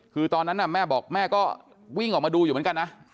คือตอนนั้นแม่บอกแม่ก็วิ่งออกมาดูอยู่เหมือนกันนะ